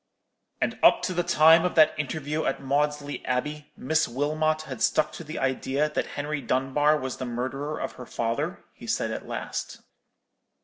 "'And up to the time of that interview at Maudesley Abbey, Miss Wilmot had stuck to the idea that Henry Dunbar was the murderer of her father?' he said, at last.